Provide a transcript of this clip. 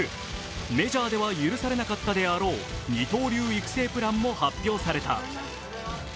メジャーでは許されなかったであろう二刀流育成プランも発表された。